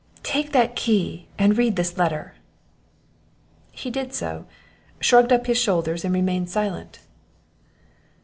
"Take that key, and read this letter!" He did so, shrugged up his shoulders, and remained silent.